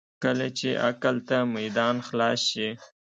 کله چې عقل ته میدان خلاص شي.